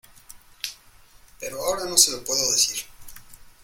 pero ahora no se lo puedo decir